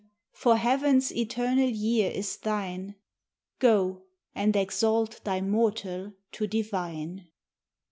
for Heaven's eternal year is thine, Go, and exalt thy moral to divine.